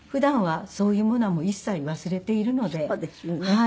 はい。